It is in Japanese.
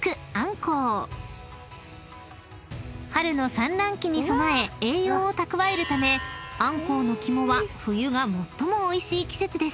［春の産卵期に備え栄養を蓄えるためあんこうの肝は冬が最もおいしい季節です］